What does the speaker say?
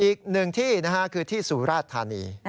อีกหนึ่งที่นะฮะคือที่สุราชธานี